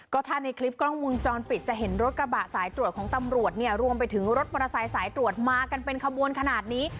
ก็ถ้าในคลิปกล้องวงจรปิดจะเห็นรถกระบะสายตรวจของตำรวจเนี่ยรวมไปถึงรถมอเตอร์ไซค์สายตรวจมากันเป็นขบวนขนาดนี้